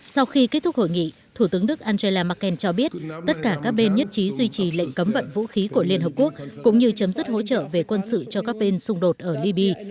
sau khi kết thúc hội nghị thủ tướng đức angela merkel cho biết tất cả các bên nhất trí duy trì lệnh cấm vận vũ khí của liên hợp quốc cũng như chấm dứt hỗ trợ về quân sự cho các bên xung đột ở libya